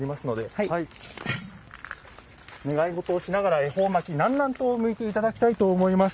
願い事をしながら恵方巻き南南東を向いていただきたいと思います。